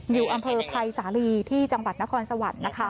อยู่อำเภอภัยสาลีที่จังหวัดนครสวรรค์นะคะ